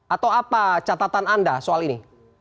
atau apa catatan anda soal ini